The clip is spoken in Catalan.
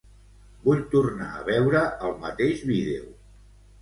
Vull tornar a veure el mateix vídeo.